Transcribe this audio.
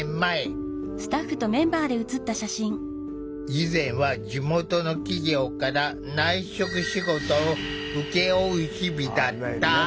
以前は地元の企業から内職仕事を請け負う日々だった。